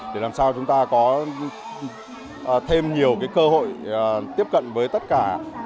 để làm sao chúng ta có thêm nhiều cơ hội tiếp cận với tất cả